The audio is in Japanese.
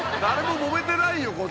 誰ももめてないよ